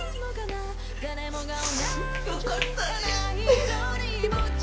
よかった。